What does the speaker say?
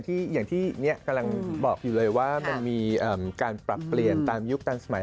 อย่างที่กำลังบอกอยู่เลยว่ามันมีการปรับเปลี่ยนตามยุคตามสมัย